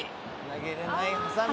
投げれない挟む。